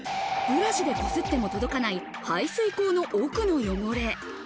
ブラシで擦っても届かない、排水口の奥の汚れ。